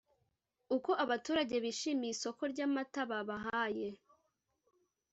uko abaturage bishimiye isoko ry’amata babahaye